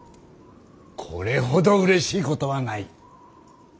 これほどうれしいことはない。